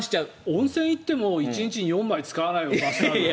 温泉に行っても１日に４枚使わないよ。